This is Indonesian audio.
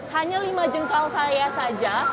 hanya lima jengkal saya saja